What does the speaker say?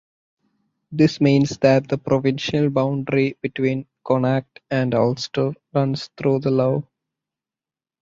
This means that the provincial boundary between Connacht and Ulster runs through the lough.